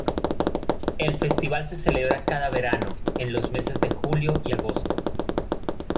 El festival se celebra cada verano, en los meses de julio y agosto.